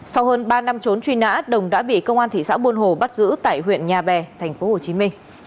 sau hơn ba năm trốn truy nã đồng đã bị công an thị xã buôn hồ bắt giữ tại huyện nhà bè tp hcm